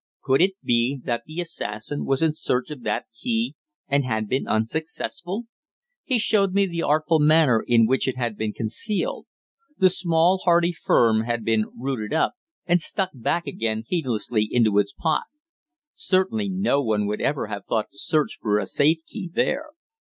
Could it be that the assassin was in search of that key and had been unsuccessful? He showed me the artful manner in which it had been concealed. The small hardy fern had been rooted up and stuck back again heedlessly into its pot. Certainly no one would ever have thought to search for a safe key there.